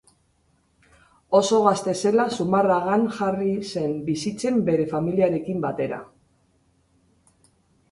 Oso gazte zela Zumarragan jarri zen bizitzen bere familiarekin batera.